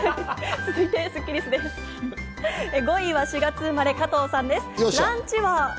５位は４月生まれの方、加藤さん。